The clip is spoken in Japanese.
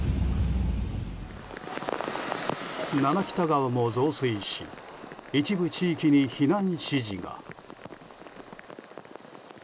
七北田川も増水し一部地域に避難指示が。